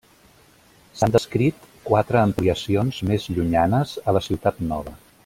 S'han descrit quatre ampliacions més llunyanes a la Ciutat Nova.